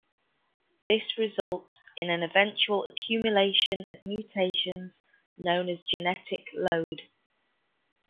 This results in an eventual accumulation of mutations known as genetic load.